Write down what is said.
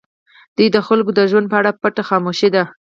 دوی د خلکو د ژوند په اړه پټ خاموش دي.